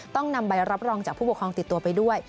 ต้องนำใบรับรองจากผู้ปกครองติดตัวไปด้วย